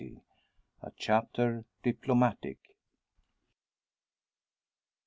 A CHAPTER DIPLOMATIC.